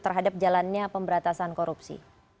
terhadap jalannya pemberantasan korupsi